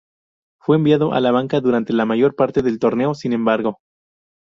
Fue enviado a la banca durante la mayor parte del torneo, sin embargo.